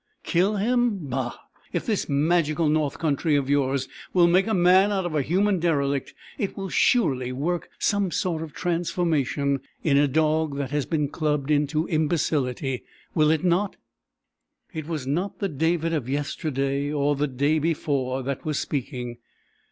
Kill him? Bah! If this magical north country of yours will make a man out of a human derelict it will surely work some sort of a transformation in a dog that has been clubbed into imbecility. Will it not?" It was not the David of yesterday or the day before that was speaking.